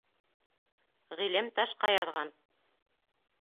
Ғилем ташҡа яҙған.